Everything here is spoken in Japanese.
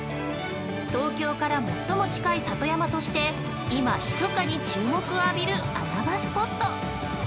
東京から最も近い里山として今、密かに注目を浴びる穴場スポット。